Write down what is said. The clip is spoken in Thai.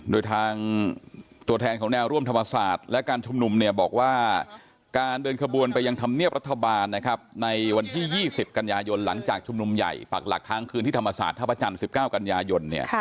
โดยทางตัวแทนของแนวร่วมธรรมศาสตร์และการชุมนุมบอกว่าการเดินขบวนไปยังธรรมเนียบรัฐบาลนะครับในวันที่๒๐กันยายนหลังจากชุมนุมใหญ่ปักหลักค้างคืนที่ธรรมศาสตร์ท่าพระจันทร์๑๙กันยายน